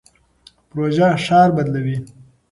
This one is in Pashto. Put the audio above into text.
پروژه ښار بدلوي.